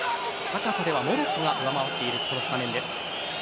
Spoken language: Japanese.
高さではモロッコが上回っているスタメンです。